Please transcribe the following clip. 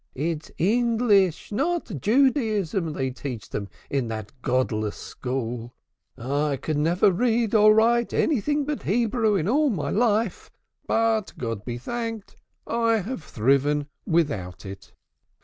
It's English, not Judaism, they teach them in that godless school. I could never read or write anything but Hebrew in all my life; but God be thanked, I have thriven without it.